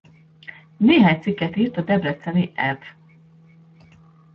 Néhány cikket írt a debreceni Ev.